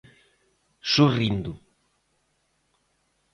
Sorrindo.